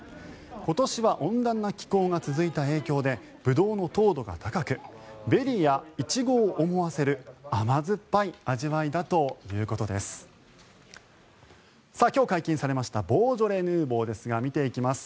今年は温暖な気候が続いた影響でブドウの糖度が高くベリーやイチゴを思わせる甘酸っぱい味わいだということです。